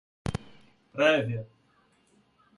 prévia